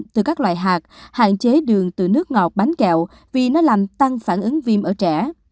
từ các loại hạt chế đường từ nước ngọt bánh kẹo vì nó làm tăng phản ứng viêm ở trẻ